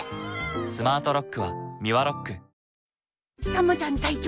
たまちゃん隊長